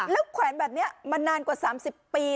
แล้วแขวนแบบนี้มานานกว่า๓๐ปี